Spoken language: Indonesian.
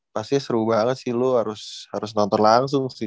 pasti seru banget sih lo harus nonton langsung sih